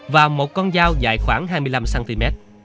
và một con dao dài khoảng hai mươi năm cm